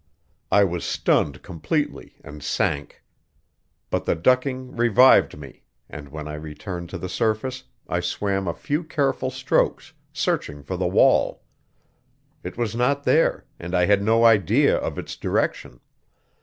I was stunned completely and sank; but the ducking revived me; and when I returned to the surface I swam a few careful strokes, searching for the wall. It was not there, and I had no idea of its direction.